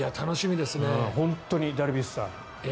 本当に、ダルビッシュさん。